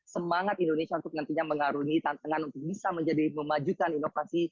semangat indonesia untuk nantinya mengarungi tantangan untuk bisa menjadi memajukan inovasi